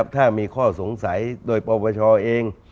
ถ้ามีข้อสงสัยโดยปปชเอง